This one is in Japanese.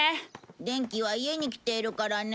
電気は家に来ているからね。